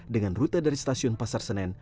dengan rute dari stasiun pasar senen